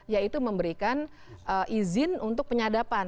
yaitu memberikan izin untuk penyadapan